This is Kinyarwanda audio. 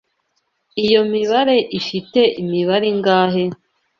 Iyo mibare ifite imibare ingahe?